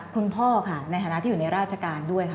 คุณพ่อค่ะในฐานะที่อยู่ในราชการด้วยค่ะ